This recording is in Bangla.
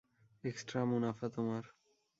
এক্সট্রা মুনাফা তোমার।